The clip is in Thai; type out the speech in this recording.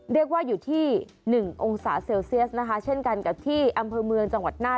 เรียกว่าอยู่ที่๑องศาเซลเซียสนะคะเช่นกันกับที่อำเภอเมืองจังหวัดน่าน